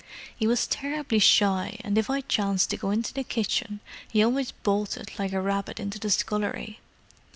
He was terribly shy, and if I chanced to go into the kitchen he always bolted like a rabbit into the scullery.